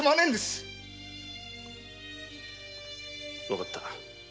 わかった。